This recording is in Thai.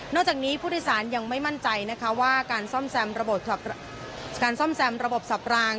นอกจากนี้ผู้โดยสารยังไม่มั่นใจนะคะว่าการซ่อมแซมระบบสับราง